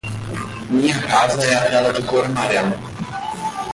Minha casa é aquela de cor amarela.